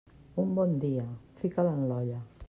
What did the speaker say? Un bon dia, fica'l en l'olla.